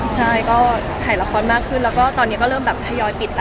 ใช่ก็ถ่ายละครมากขึ้นแล้วก็ตอนนี้ก็เริ่มแบบทยอยปิดแล้ว